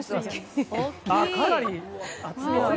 かなり厚みが。